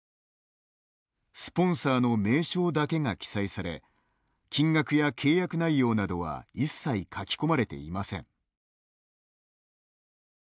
スポンサーの名称だけが記載され金額や契約内容などは一切書き込まれていません。